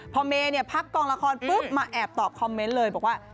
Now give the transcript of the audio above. พอเมย์พักกองละครปุ๊บมาแอบตอบคอมเมนต์เลยบอกว่า